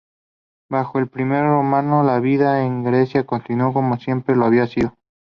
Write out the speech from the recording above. Bajo el Imperio romano la vida en Grecia continuó como siempre lo había sido.